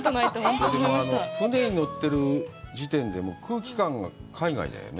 でも、船に乗っている時点で、空気感が海外だよね。